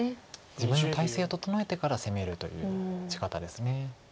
自分の態勢を整えてから攻めるという打ち方です。